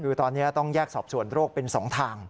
คือตอนนี้ต้องแยกสอบส่วนโรคเป็น๒ทาง